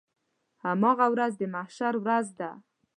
هماغه ورځ د محشر ورځ ده.